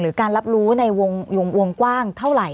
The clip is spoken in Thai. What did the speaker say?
การรับรู้ในวงกว้างเท่าไหร่